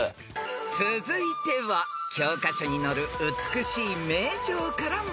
［続いては教科書に載る美しい名城から問題］